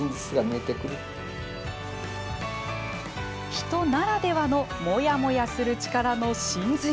人ならではのモヤモヤする力の神髄。